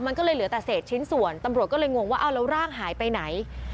มันก็เลยเหลือแต่เศษชิ้นส่วนตำรวจก็เลยงงว่าเอาแล้วร่างหายไปไหน